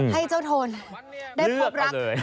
ให้เจ้าโทนได้พบรัก